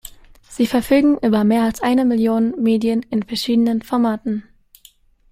Sie verfügen über mehr als ein Million Medien in verschiedenen Formaten.